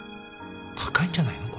高いんじゃないの？